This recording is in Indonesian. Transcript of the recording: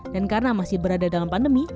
dan karena masih berada dalam pandemi